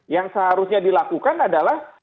yang seharusnya dilakukan adalah